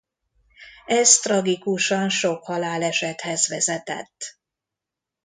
Ez tragikusan sok halálesethez vezetett.